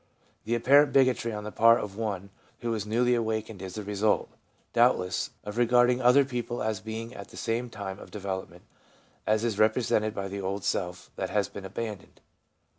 The apparent bigotry on the part of one who is newly awakened is the result, doubtless, of regarding other people as being at the same time of development as is represented by the old self that has been abandoned.